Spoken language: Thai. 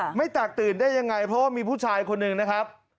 ไม่แตกตื่นได้ยังไงเพราะว่ามีผู้ชายคนหนึ่งนะครับ